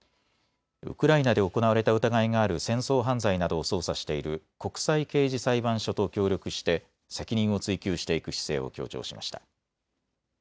ウクライナで行われた疑いがある戦争犯罪などを捜査している国際刑事裁判所と協力して責任を追及していく姿勢を強調しました。